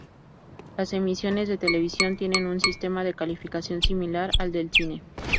Las emisiones de televisión tienen un sistema de calificación similar al del cine.